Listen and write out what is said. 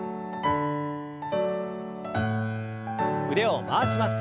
腕を回します。